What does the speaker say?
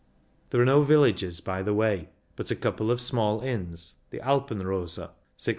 There are no villages by the way, but a couple of small inns, the Alpenrose (6,005 ft.)